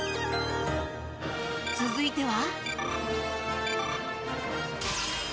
続いては